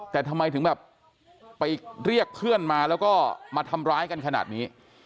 แต่ทำไมถึงแบบไปเรียกเพื่อนมาแล้วก็มาทำร้ายกันขนาดนี้